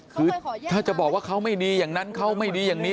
คือถ้าจะบอกว่าเขาไม่ดีอย่างนั้นเขาไม่ดีอย่างนี้